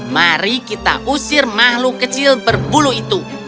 mari kita usir makhluk kecil berbulu itu